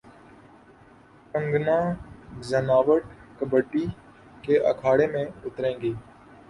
کنگنا رناوٹ کبڈی کے اکھاڑے میں اتریں گی